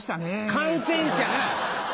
感染者ね。